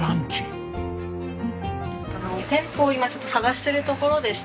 店舗を今ちょっと探しているところでして。